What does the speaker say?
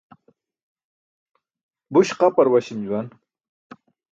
Buś qapar waśim juwan.